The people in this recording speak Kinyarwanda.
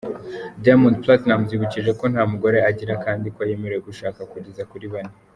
Diamond Platnumz yibukije ko nta mugore agira kandi ko yemerewe gushaka kugeza kuri bane.